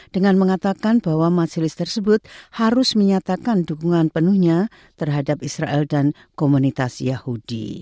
dengan mengatakan bahwa majelis tersebut harus menyatakan dukungan penuhnya terhadap israel dan komunitas yahudi